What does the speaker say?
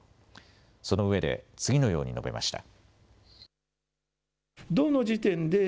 そのうえで次のように述べました。